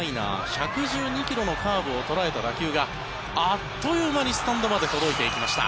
１１２ｋｍのカーブを捉えた打球があっという間にスタンドまで届いていきました。